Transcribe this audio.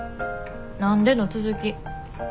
「何で」の続き。